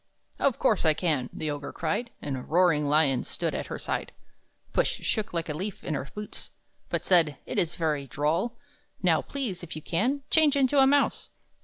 "Of course I can!" the Ogre cried, And a roaring lion stood at her side. Puss shook like a leaf, in her boots, But said, "It is very droll! Now, please, if you can, change into a mouse!"